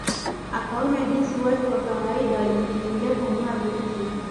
Akaona jinsi watu wa kawaida walivyokimbilia kununua vyeti hivyo